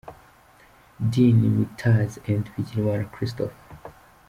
Din Imtiaz& Bigirimana Christophe.